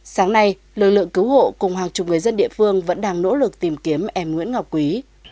sáng nay lực lượng cứu hộ cùng hàng chục người dân địa phương vẫn đang nỗ lực tìm kiếm em nguyễn ngọc quý